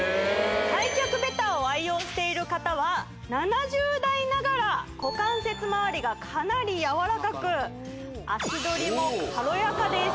開脚ベターを愛用している方は７０代ながら股関節周りがかなり柔らかく足取りも軽やかです